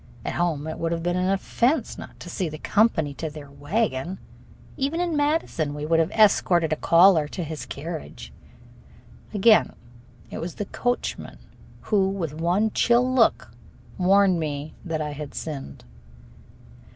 At home it would have been an offense not to see the company to their wagon. Even in Madison we would have escorted a caller to his carriage. Again it was the coachman who with one chill look warned me that I had sinned.